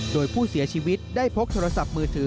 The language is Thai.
โดยผู้เสียชีวิตได้พกโทรศัพท์มือถือ